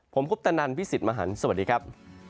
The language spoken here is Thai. ผมคุปตะนันพี่สิทธิ์มหันฯสวัสดีครับ